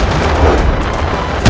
aku akan menangkap dia